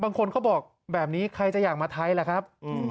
บางคนเขาบอกแบบนี้ใครจะอยากมาไทยล่ะครับ